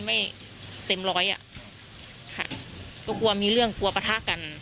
ไม่เต็มร้อยอ่ะค่ะก็กลัวมีเรื่องกลัวปะทะกัน